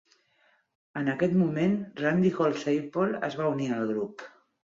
En aquest moment, Randy Holsapple es va unir al grup.